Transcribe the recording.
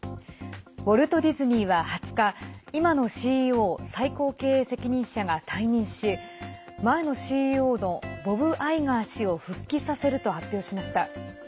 ウォルト・ディズニーは２０日今のＣＥＯ＝最高経営責任者が退任し前のＣＥＯのボブ・アイガー氏を復帰させると発表しました。